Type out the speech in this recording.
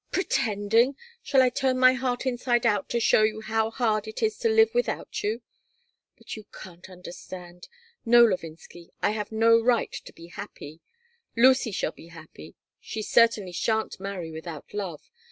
"Pretending! Shall I turn my heart inside out to show you how hard it is to live without you? But you can't understand. No, Levinsky. I have no right to be happy. Lucy shall be happy. She certainly sha'n't marry without love.